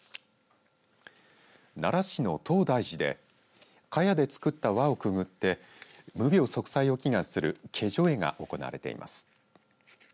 奈良市の東大寺でかやで作った輪をくぐって無病息災を祈願する解除会が行われています。